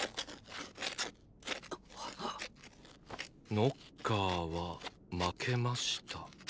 ノッカーは負けました。